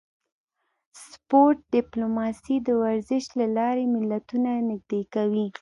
سپورت ډیپلوماسي د ورزش له لارې ملتونه نږدې کوي